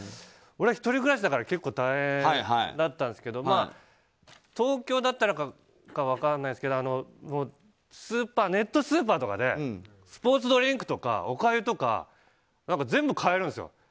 俺は１人暮らしだから結構大変だったんですけど東京だったからか分かんないですけどネットスーパーとかでスポーツドリンクとかおかゆとか全部買えるんですよ。